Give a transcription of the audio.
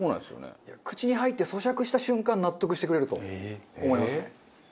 口に入って咀嚼した瞬間納得してくれると思いますね。